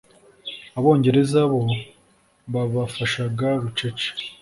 abongereza bo babafashaga bucece.